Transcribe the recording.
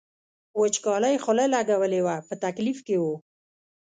وچکالۍ خوله لګولې وه په تکلیف کې و.